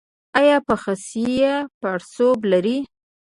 ایا په خصیو کې پړسوب لرئ؟